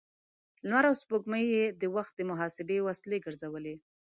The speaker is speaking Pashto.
لمر او سپوږمۍ يې د وخت د محاسبې وسیلې ګرځولې.